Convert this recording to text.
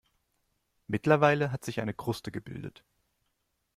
Mittlerweile hat sich eine Kruste gebildet.